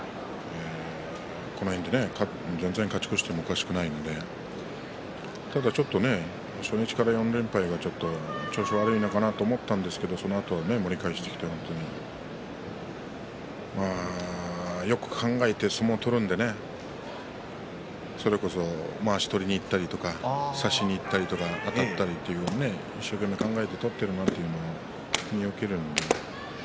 この辺で全然勝ち越してもおかしくないのでただちょっと初日から４連敗は調子悪いのかなと思ったんですけれどそのあと盛り返してきてよく考えて相撲を取るのでそれこそまわしを取りにいったりとか差しにいったりとかあたったり一生懸命考えて取っているの見受けられるので。